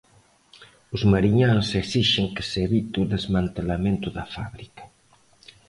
Os mariñáns esixen que se evite o desmantelamento da fábrica.